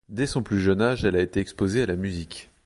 Dès son plus jeune âge, elle a été exposée à la musique.